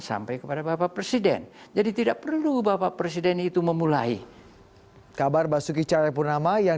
sampai kepada bapak presiden jadi tidak perlu bapak presiden itu memulai kabar basuki cahayapurnama yang